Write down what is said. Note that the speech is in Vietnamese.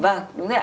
vâng đúng rồi ạ